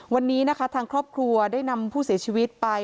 วันนี้นะคะทางครอบครัวได้นำผู้เสียชีวิตไป